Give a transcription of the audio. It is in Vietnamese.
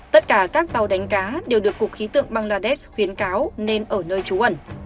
tất cả các tàu đánh cá đều được cục khí tượng bangladesh khuyến cáo nên ở nơi trú ẩn